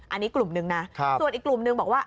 อันนี้กลุ่มหนึ่งนะส่วนอีกกลุ่มนึงบอกว่า